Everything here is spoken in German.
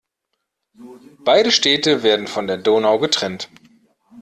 Beide Städte werden von der Donau getrennt.